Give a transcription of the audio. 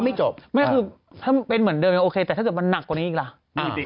ไม่ว่าคือถ้ามันเป็นเหมือนเดิมแต่ถ้าอาณะกกวนนนีอีกล่าก็